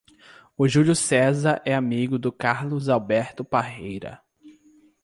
O Júlio César é amigo do Carlos Alberto Parreira.